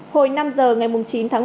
hồi năm giờ ngày chín tháng một mươi